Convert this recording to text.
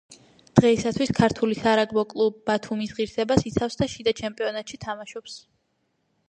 დღეისათვის ქართული სარაგბო კლუბ „ბათუმის“ ღირსებას იცავს და შიდა ჩემპიონატში თამაშობს.